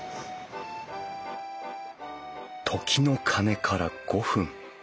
時の鐘から５分。